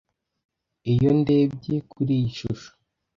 iyo ndebye kuri iyi shusho.